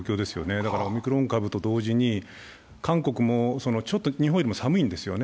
だからオミクロン株と同時に、韓国もちょっと日本よりも寒いんですよね。